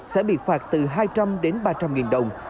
sẽ bị phạt từ hai trăm linh đến ba trăm linh nghìn đồng